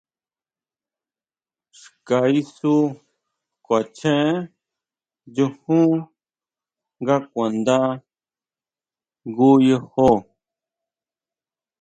Xka isú kuachen chujun nga kuanda jngu yojo.